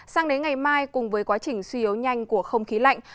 sang đến ngày mai cùng với quá trình suy yếu nhanh của không khí lạnh